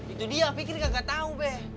itu dia fikri gak tau be